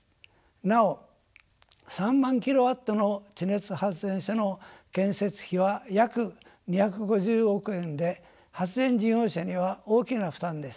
なお３万キロワットの地熱発電所の建設費は約２５０億円で発電事業者には大きな負担です。